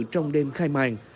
trong đêm khai mạng